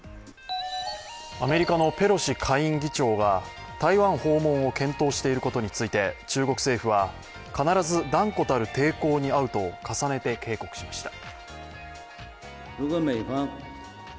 アメリカのペロシ下院議長が台湾訪問を検討していることについて中国政府は、必ず断固たる抵抗に遭うと重ねて警告しました。